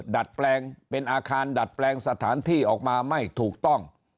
ดัดแปลงเป็นอาคารดัดแปลงสถานที่ออกมาไม่ถูกต้อง